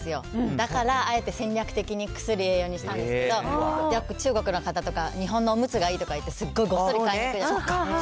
だから、あえて戦略的に薬・栄養にしたんですけど、よく中国の方とか、日本のおむつがいいとか言って、すっごいごっそり買ってくじゃないですか。